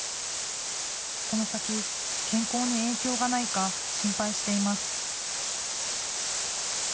この先、健康に影響がないか、心配しています。